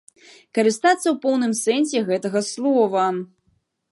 Карыстацца ў поўным сэнсе гэтага слова.